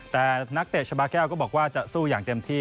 แต่นักเตะชาบาแก้วก็บอกว่าจะสู้อย่างเต็มที่